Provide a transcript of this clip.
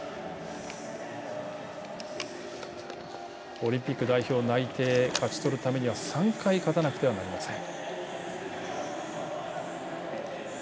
オリンピック代表内定を勝ち取るためには３回、勝たなくてはなりません。